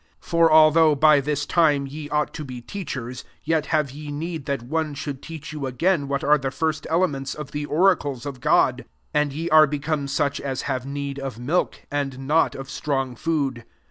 12 For although by this time, ye ought to be teachers, yet have ye need that one should teach you again what are the first ele ments of the oracles of God; and ye are become such as have need of milk, and not of strong food.